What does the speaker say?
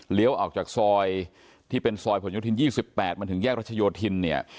ออกจากซอยที่เป็นซอยผลโยธิน๒๘มันถึงแยกรัชโยธินเนี่ย